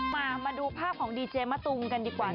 มาดูภาพของดีเจมะตูมกันดีกว่า